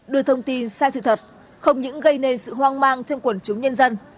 đưa thông tin sai sự thật không những gây nên sự hoang mang trong quần chúng nhân dân